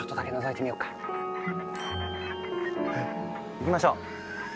いきましょう！